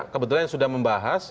kebetulan yang sudah membahas